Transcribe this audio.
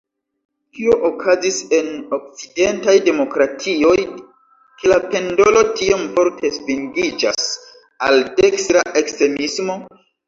Kio okazis en okcidentaj demokratioj, ke la pendolo tiom forte svingiĝas al dekstra ekstremismo?